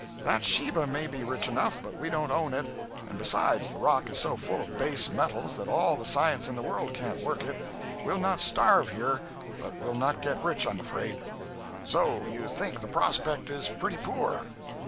"That Sheba may be rich enough, but we don't own it; and besides, the rock is so full of base metals that all the science in the world can't work it. We'll not starve, here, but we'll not get rich, I'm afraid." "So you think the prospect is pretty poor?"